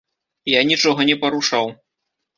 Я нічога не парушаў.